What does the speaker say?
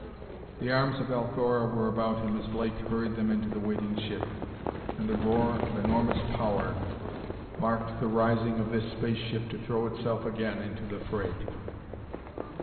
The arms of Althora were about him as Blake hurried them into the waiting ship, and the roar of enormous power marked the rising of this space ship to throw itself again into the fray.